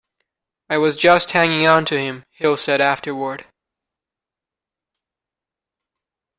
"I was just hanging on to him," Hill said afterward.